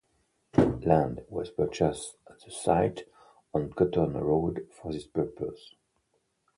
Land was purchased at the site on Coton Road for this purpose.